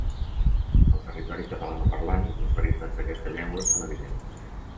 Al territori catalanoparlant, les varietats d’aquesta llengua són evidents.